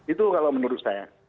itu kalau menurut saya